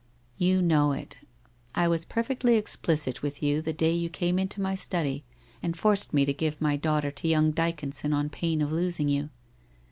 ' You know it. I was perfectly explicit with you the day you came into my study, and forced me to give my daughter to young Dyconson on pain of losing you.